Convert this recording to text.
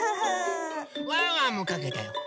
ワンワンもかけたよ。